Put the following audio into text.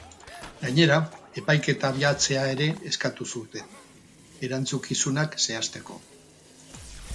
Gainera, epaiketa abiatzea ere eskatu zuten, erantzukizunak zehazteko.